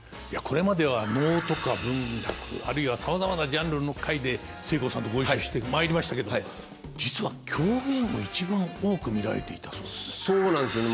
いやこれまでは能とか文楽あるいはさまざまなジャンルの回でせいこうさんとご一緒してまいりましたけど実は狂言を一番多く見られていたそうで。